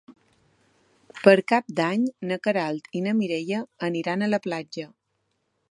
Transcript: Per Cap d'Any na Queralt i na Mireia aniran a la platja.